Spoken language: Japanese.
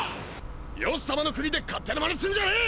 他所様の国で勝手な真似すんじゃねえ！